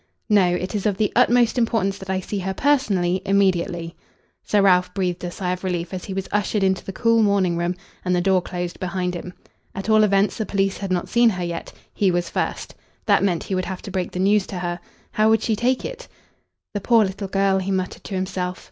"No. It is of the utmost importance that I see her personally immediately." Sir Ralph breathed a sigh of relief as he was ushered into the cool morning room and the door closed behind him. At all events, the police had not seen her yet. He was first. That meant he would have to break the news to her. How would she take it? "The poor little girl!" he muttered to himself.